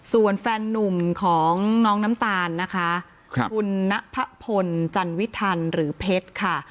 ส่วนแฟนนุ่มของน้องน้ำตาลนะคะคุณนพะพลจันวิทันหรือเพชรค่ะ